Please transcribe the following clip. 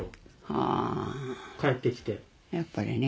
はぁやっぱりね。